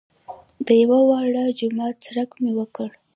د یوه واړه جومات څرک مې وکړ.